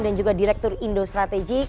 dan juga direktur indo strategik